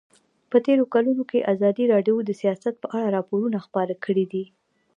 په تېرو کلونو کې ازادي راډیو د سیاست په اړه راپورونه خپاره کړي دي.